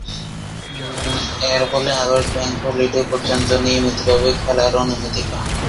এরফলে August bank holiday পর্যন্ত নিয়মিতভাবে খেলার অনুমতি পান।